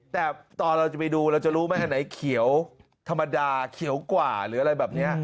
แต่ตอนเราจะไปดูเราจะรู้ไหมอันไหนเขียวธรรมดาเขียวกว่าหรืออะไรแบบนี้